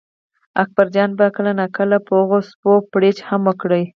اکبرجان به کله ناکله په هغو سپو بړچ هم وکړ.